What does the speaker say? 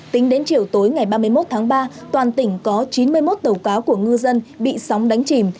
tính đến chiều tối ngày ba mươi một tháng ba toàn tỉnh có chín mươi một tàu cá của ngư dân bị sóng đánh chìm